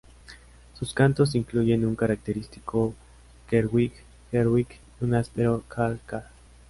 Sus cantos incluyen un característico "ker-wick...kerwick..." y un áspero "karr...karrr...".